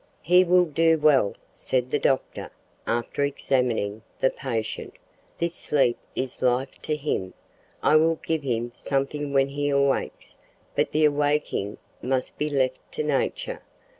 "He will do well," said the doctor, after examining the patient. "This sleep is life to him. I will give him something when he awakes, but the awaking must be left to nature.